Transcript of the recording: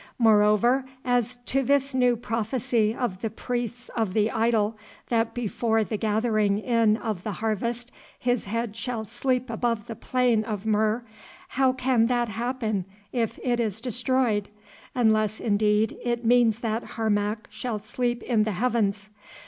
Moreover, as to this new prophecy of the priests of the idol, that before the gathering in of the harvest his head shall sleep above the plain of Mur, how can that happen if it is destroyed, unless indeed it means that Harmac shall sleep in the heavens.